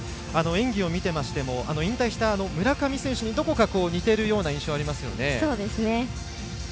演技を見ていましても引退した村上選手にどこか似ているような印象がありますね。